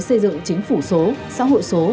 xây dựng chính phủ số xã hội số